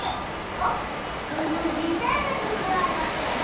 あっそれならぴったりのきょくがありますよね！